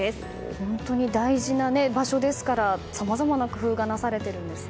本当に大事な場所ですからさまざまな工夫がなされているんですね。